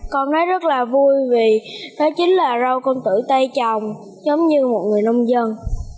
con nói rất là vui vì đó chính là rau con tử tây trồng giống như một người nông dân